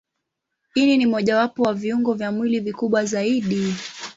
Ini ni mojawapo wa viungo vya mwili vikubwa zaidi.